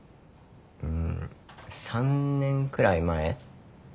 うーん３年くらい前？